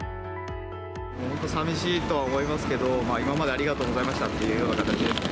本当さみしいとは思いますけど、今までありがとうございましたっていうような感じですね。